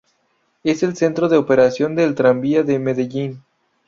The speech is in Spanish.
Es el centro de operación del Tranvía de Medellín.